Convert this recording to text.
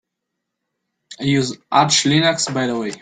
I use Arch Linux by the way.